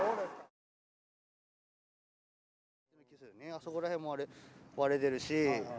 あそこら辺も割れてるし。